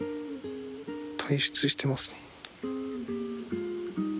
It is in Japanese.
退出してますね。